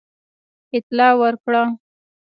اطلاع ورکړه.